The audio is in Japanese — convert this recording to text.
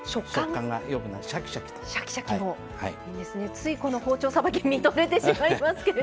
ついこの包丁さばき見とれてしまいますけれど。